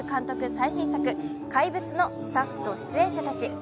最新作「怪物」のスタッフと出演者たち。